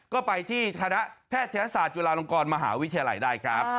ก็ไปที่คณะแพทยศาสตร์จุฬาลงกรมหาวิทยาลัยได้ครับ